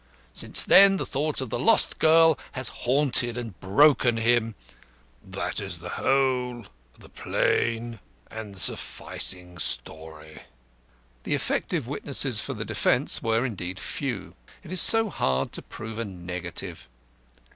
Since then the thought of the lost girl has haunted and broken him. That is the whole, the plain, and the sufficing story." The effective witnesses for the defence were, indeed, few. It is so hard to prove a negative.